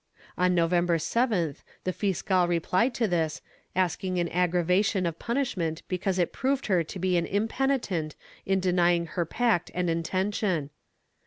On November 7th the fiscal replied to this, asking an aggra vation of punishment because it proved her to be an impenitent in denying her pact and intention.